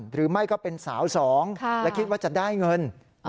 หรือไม่ก็เป็นสาวสองและคิดว่าจะได้เงิน